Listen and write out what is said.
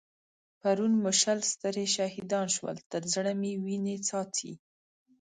پرون مو شل سترې شهيدان شول؛ تر زړه مې وينې څاڅي.